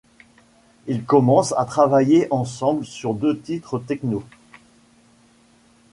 Ils commencent à travailler ensemble sur deux titres techno.